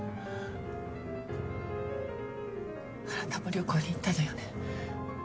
あなたも旅行に行ったのよね？